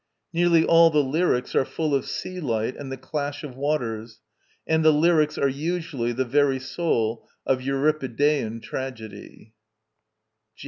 Nearly all the lyrics are full of sea light and the clash of waters, and the lyrics are usually the very soul of Euripidean tragedy.